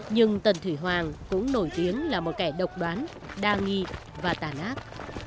nhưng tần thủy hoàng cũng nổi tiếng là một kẻ độc đoán đa nghị và tàn ác